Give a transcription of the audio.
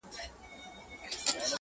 هره شېبه ارزښت لري.